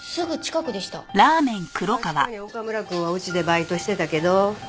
確かに岡村くんはうちでバイトしてたけど？